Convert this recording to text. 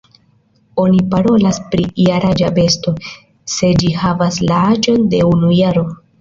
Oni parolas pri jaraĝa besto, se ĝi havas la aĝon de unu jaro.